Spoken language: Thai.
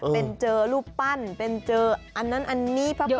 เป็นเจอรูปปั้นเป็นเจออันนั้นอันนี้ภาพ